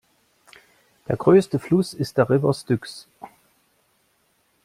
Der größte Fluss ist der River Styx.